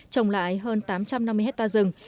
trồng lại hơn tám trăm năm mươi hectare rừng